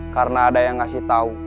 karena ada yang ngasih tahu